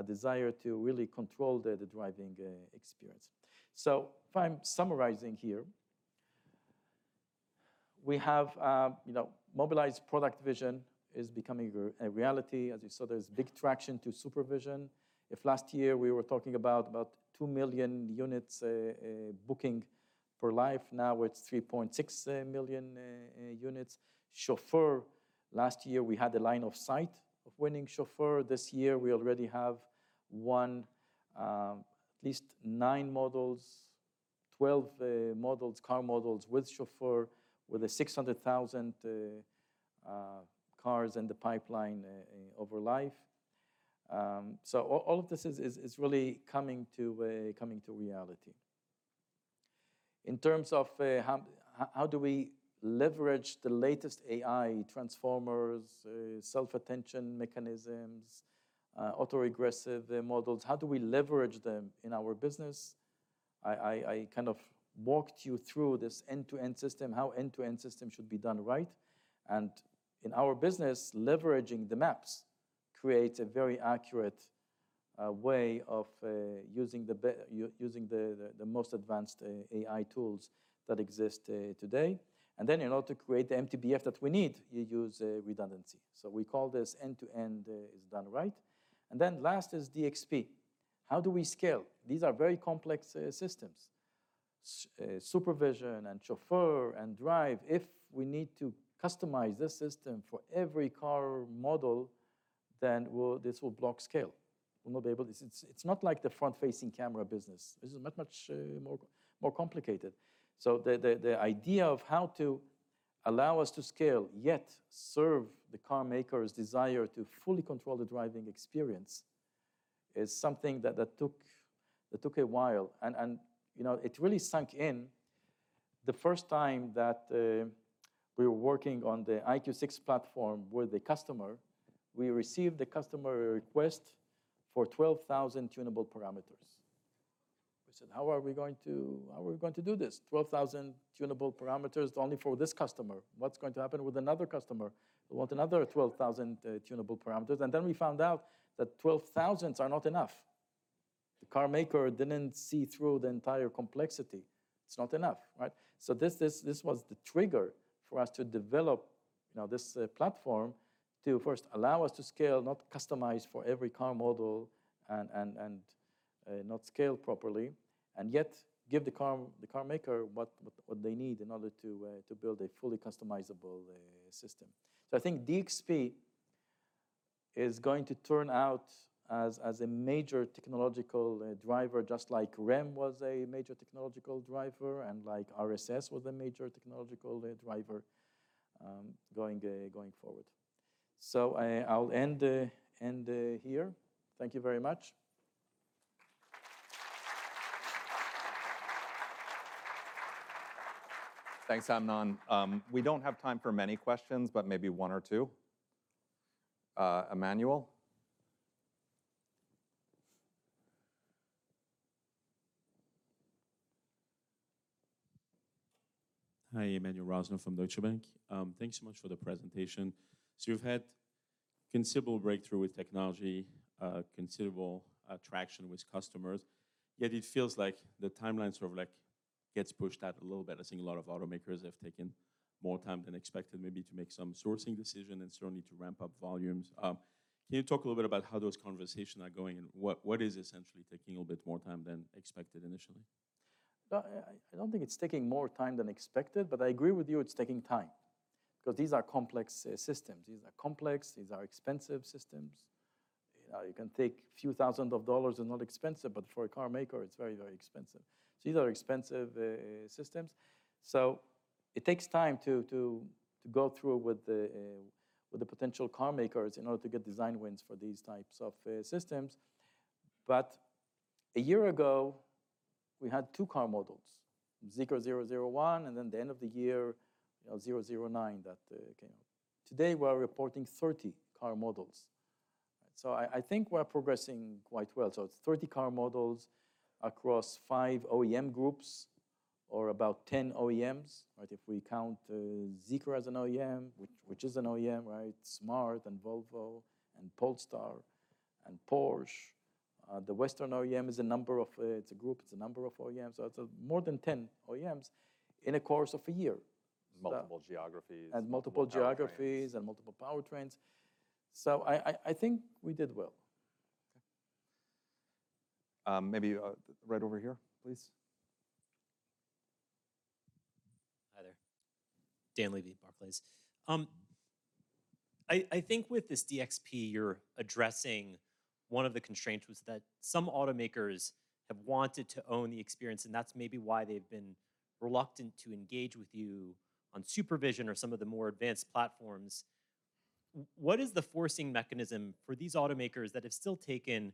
desire to really control the driving experience. So if I'm summarizing here, we have, you know, Mobileye's product vision is becoming a reality. As you saw, there's big traction to SuperVision. If last year we were talking about 2 million units booking for life, now it's 3.6 million units. Chauffeur, last year we had a line of sight of winning Chauffeur. This year we already have won at least nine models, 12 models, car models with Chauffeur, with 600,000 cars in the pipeline over life. So all of this is really coming to reality. In terms of, how, how do we leverage the latest AI transformers, self-attention mechanisms, autoregressive, models? How do we leverage them in our business? I kind of walked you through this end-to-end system, how end-to-end system should be done right. And in our business, leveraging the maps creates a very accurate way of using the most advanced AI tools that exist today. And then in order to create the MTBF that we need, you use redundancy. So we call this end-to-end is done right. And then last is DXP. How do we scale? These are very complex systems. SuperVision and Chauffeur and Drive, if we need to customize this system for every car model, then well, this will block scale. We'll not be able to... It's not like the front-facing camera business. This is much more complicated. So the idea of how to allow us to scale, yet serve the car maker's desire to fully control the driving experience, is something that took a while. And, you know, it really sunk in the first time that we were working on the EyeQ6 platform with a customer. We received a customer request for 12,000 tunable parameters. We said: "How are we going to do this?" 12,000 tunable parameters only for this customer. What's going to happen with another customer who want another 12,000 tunable parameters? And then we found out that 12,000s are not enough. The car maker didn't see through the entire complexity. It's not enough, right? So this was the trigger for us to develop you know this platform to first allow us to scale, not customize for every car model and not scale properly, and yet give the carmaker what they need in order to build a fully customizable system. So I think DXP is going to turn out as a major technological driver, just like REM was a major technological driver and like RSS was a major technological driver going forward. So I'll end here. Thank you very much. Thanks, Amnon. We don't have time for many questions, but maybe one or two. Emmanuel? Hi, Emmanuel Rosner from Deutsche Bank. Thanks so much for the presentation. So you've had considerable breakthrough with technology, considerable attraction with customers, yet it feels like the timeline sort of like gets pushed out a little bit. I think a lot of automakers have taken more time than expected, maybe to make some sourcing decision and certainly to ramp up volumes. Can you talk a little bit about how those conversations are going, and what is essentially taking a little bit more time than expected initially? Well, I don't think it's taking more time than expected, but I agree with you, it's taking time. Because these are complex systems. These are complex, these are expensive systems. You can take a few thousand dollars and not expensive, but for a carmaker, it's very, very expensive. So these are expensive systems. So it takes time to go through with the potential carmakers in order to get design wins for these types of systems. But a year ago, we had two car models, Zeekr 001, and then the end of the year, you know, Zeekr 009 that came out. Today, we're reporting 30 car models. So I think we're progressing quite well. So it's 30 car models across five OEM groups or about 10 OEMs, right? If we count Zeekr as an OEM, which is an OEM, right? Smart and Volvo and Polestar and Porsche. The Western OEM is a number of. It's a group, it's a number of OEMs, so it's more than 10 OEMs in the course of a year. Multiple geographies- And multiple geographies.... and multiple powertrains. Multiple powertrains. I think we did well. Okay. Maybe right over here, please. Hi, there. Dan Levy, Barclays. I think with this DXP you're addressing, one of the constraints was that some automakers have wanted to own the experience, and that's maybe why they've been reluctant to engage with you on SuperVision or some of the more advanced platforms. What is the forcing mechanism for these automakers that have still taken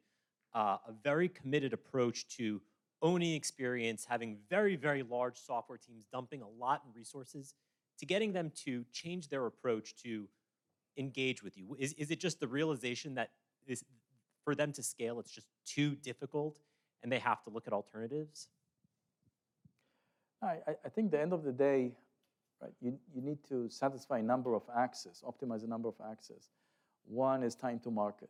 a very committed approach to owning experience, having very, very large software teams, dumping a lot in resources, to getting them to change their approach to engage with you? Is it just the realization that for them to scale, it's just too difficult and they have to look at alternatives? I think at the end of the day, right, you need to satisfy a number of axes, optimize a number of axes. One is time to market,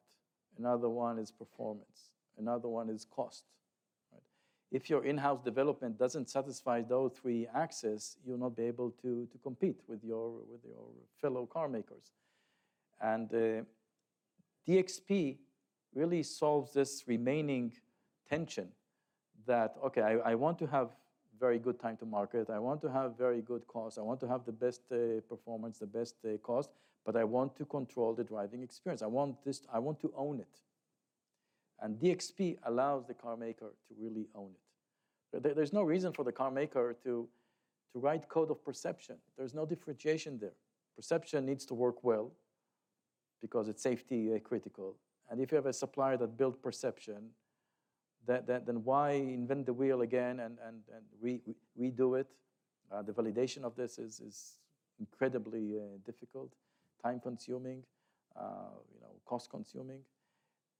another one is performance, another one is cost, right? If your in-house development doesn't satisfy those three axes, you'll not be able to compete with your fellow carmakers. And DXP really solves this remaining tension that, okay, I want to have very good time to market. I want to have very good cost. I want to have the best performance, the best cost, but I want to control the driving experience. I want this, I want to own it. And DXP allows the carmaker to really own it. There's no reason for the carmaker to write code of perception. There's no differentiation there. Perception needs to work well because it's safety critical, and if you have a supplier that built perception, then why invent the wheel again and re-do it? The validation of this is incredibly difficult, time-consuming, you know, cost-consuming,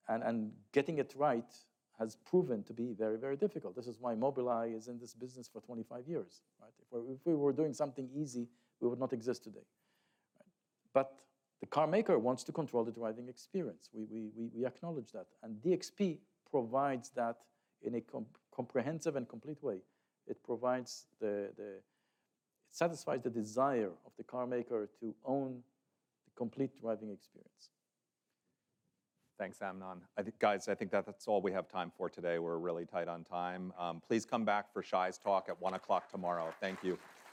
and getting it right has proven to be very, very difficult. This is why Mobileye is in this business for 25 years, right? If we were doing something easy, we would not exist today, right? But the carmaker wants to control the driving experience. We acknowledge that, and DXP provides that in a comprehensive and complete way. It provides the... It satisfies the desire of the carmaker to own the complete driving experience. Thanks, Amnon. I think, guys, I think that that's all we have time for today. We're really tight on time. Please come back for Shai's talk at 1:00 P.M. tomorrow. Thank you.